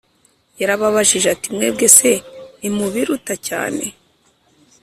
yarababajije ati, “mwebwe se ntimubiruta cyane?”